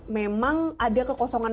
memang ada kekosongan